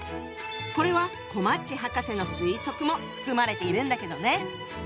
これはこまっち博士の推測も含まれているんだけどね。